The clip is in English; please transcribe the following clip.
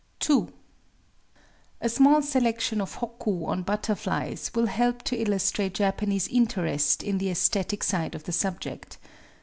II A small selection of hokku (1) on butterflies will help to illustrate Japanese interest in the aæsthetic side of the subject.